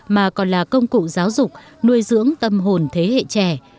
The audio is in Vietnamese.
mà còn là công cụ giáo dục nuôi dưỡng tâm hồn thế hệ trẻ